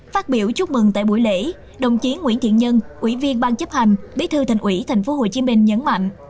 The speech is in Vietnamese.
phát biểu chúc mừng tại buổi lễ đồng chí nguyễn thiện nhân ủy viên ban chấp hành bí thư thành ủy tp hcm nhấn mạnh